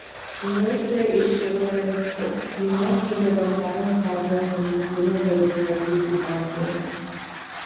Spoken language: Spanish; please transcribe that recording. No se hicieron arrestos, y no se levantaron cargos a ninguno de los participantes.